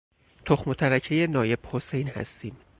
تخم و ترکهی نایب حسین هستیم.